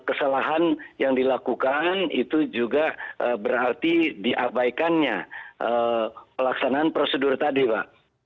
kesalahan yang dilakukan itu juga berarti diabaikannya pelaksanaan prosedur tadi pak